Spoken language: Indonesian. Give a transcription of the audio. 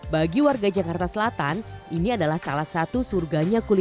bagi warga jakarta selatan ini adalah salah satu surganya kuliner